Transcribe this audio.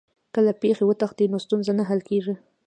که له پېښي وتښتې نو ستونزه نه حل کېږي.